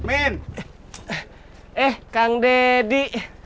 eh kang deddy